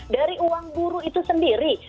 dari uang buruh itu sendiri